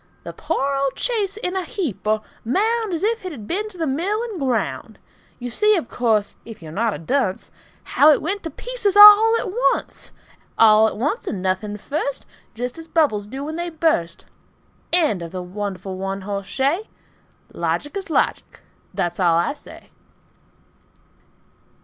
The poor old chaise in a heap or mound, As if it had been to the mill and ground! You see, of course, if you're not a dunce, How it went to pieces all at once, All at once, and nothing first, Just as bubbles do when they burst. End of the wonderful one hoss shay. Logic is logic. That's all I say.